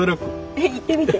えっ言ってみて。